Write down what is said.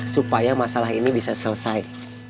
supaya masalah ini bisa selesai